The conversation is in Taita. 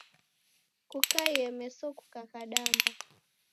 Kukaie meso kukakadamba.